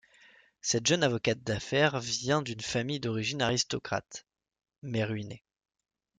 Cette jeune avocate d'affaires vient d'une famille d'origine aristocrate, mais ruinée.